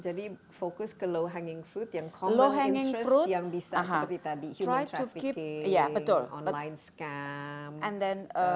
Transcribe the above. jadi fokus ke low hanging fruit yang common interest yang bisa seperti tadi